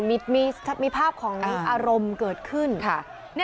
มีดันกันแล้วก็มีภาพของอารมณ์เกิดขึ้น